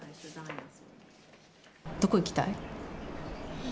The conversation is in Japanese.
どこ行きたい？